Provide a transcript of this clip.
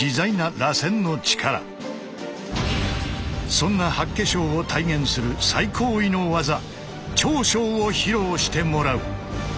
そんな八卦掌を体現する最高位の技「挑掌」を披露してもらう。